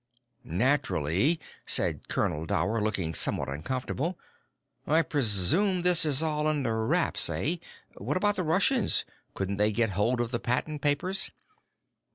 "Naturally," said Colonel Dower, looking somewhat uncomfortable. "I presume this is all under wraps, eh? What about the Russians? Couldn't they get hold of the patent papers?"